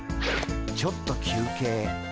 ちょっと休憩。